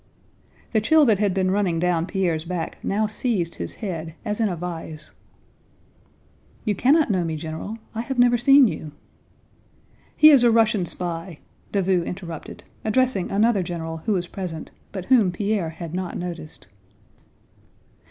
The chill that had been running down Pierre's back now seized his head as in a vise. "You cannot know me, General, I have never seen you..." "He is a Russian spy," Davout interrupted, addressing another general who was present, but whom Pierre had not noticed.